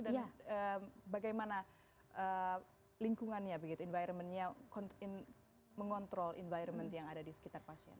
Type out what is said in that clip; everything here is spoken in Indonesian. dan bagaimana lingkungannya environment nya mengontrol environment yang ada di sekitar pasien